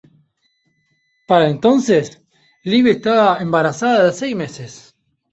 Para entonces, Libby estaba embarazada de seis meses.